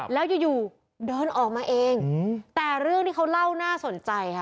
แล้วอยู่อยู่เดินออกมาเองแต่เรื่องที่เขาเล่าน่าสนใจค่ะ